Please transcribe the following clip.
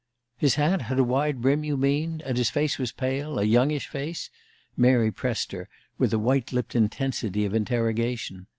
"His hat had a wide brim, you mean? and his face was pale a youngish face?" Mary pressed her, with a white lipped intensity of interrogation.